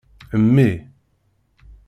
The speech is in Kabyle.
Mmi.